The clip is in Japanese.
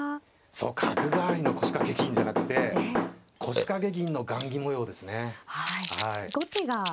そう角換わりの腰掛け銀じゃなくて腰掛け銀の雁木模様ですね。